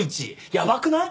やばくない？